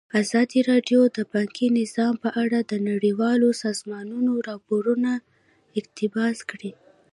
ازادي راډیو د بانکي نظام په اړه د نړیوالو سازمانونو راپورونه اقتباس کړي.